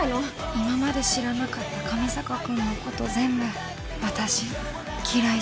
今まで知らなかった上坂君のこと全部私嫌いじゃない。